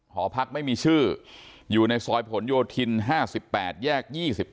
หอพักไม่มีชื่ออยู่ในซอยผลโยธิน๕๘แยก๒๘